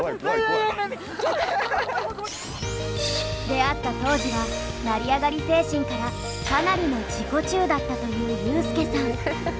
出会った当時は成り上がり精神からかなりの自己中だったというユースケさん。